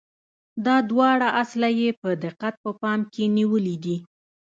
دا دواړه اصله یې په دقت په پام کې نیولي دي.